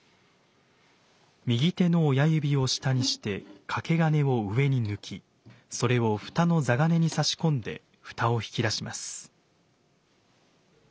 右手の親指を下にして掛け金を上に抜きそれを蓋の座金に差し込んで蓋を引き出します。